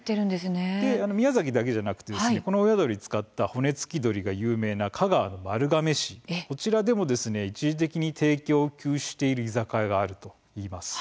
宮崎だけでなくこの親鳥を使った骨付鳥が有名な香川の丸亀市こちらでも一時的に提供を休止している居酒屋があるといいます。